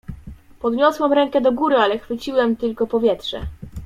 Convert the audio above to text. "Podniosłem rękę do góry, ale chwyciłem tylko powietrze."